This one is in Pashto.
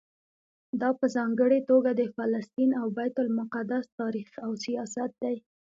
دا په ځانګړي توګه د فلسطین او بیت المقدس تاریخ او سیاست دی.